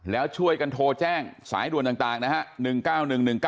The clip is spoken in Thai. แล้วช่วยกันโทรแจ้งสายด่วนต่างนะฮะ